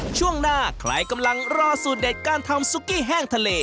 ช่วงหน้าใครกำลังรอสูตรเด็ดการทำซุกี้แห้งทะเล